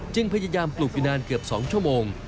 พยายามปลูกอยู่นานเกือบ๒ชั่วโมง